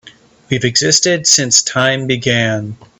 We've existed since time began.